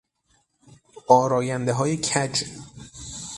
آرایندههای کج